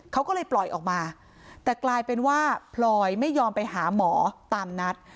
เขาก็เลยปล่อยออกมาแต่กลายเป็นว่าพลอยไม่ยอมไปหาหมอตามนัด